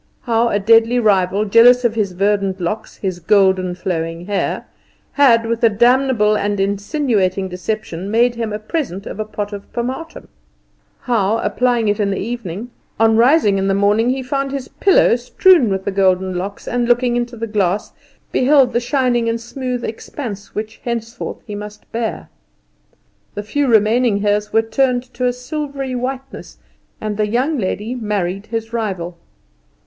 How a deadly rival, jealous of his verdant locks, his golden flowing hair, had, with a damnable and insinuating deception, made him a present of a pot of pomatum. How, applying it in the evening, on rising in the morning he found his pillow strewn with the golden locks, and, looking into the glass, beheld the shining and smooth expanse which henceforth he must bear. The few remaining hairs were turned to a silvery whiteness, and the young lady married his rival.